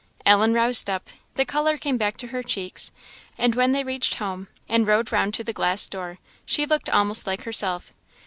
Ellen roused up; the colour came back to her cheeks; and when they reached home, and rode round to the glass door, she looked almost like herself.